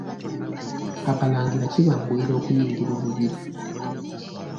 Abalangira kibanguyira okuyingira olubiri.